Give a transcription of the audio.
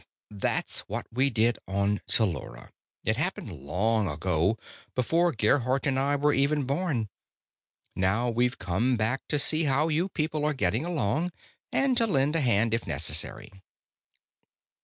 That's what we did on Tellura it happened long ago, before Gerhardt and I were even born. Now we've come back to see how you people are getting along, and to lend a hand if necessary."